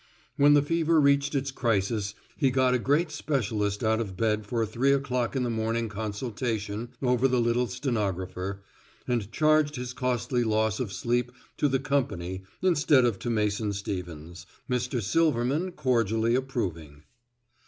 When the fever reached its crisis he got a great specialist out of bed for a three o'clock in the morning consultation over the little stenographer, and charged his costly loss of sleep to the company instead of to Mason Stevens, Mr. Silverman cordially approving.